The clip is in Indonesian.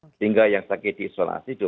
sehingga yang sakit diisolasi